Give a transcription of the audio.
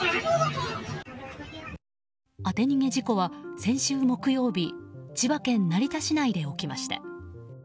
当て逃げ事故は先週木曜日千葉県成田市内で起きました。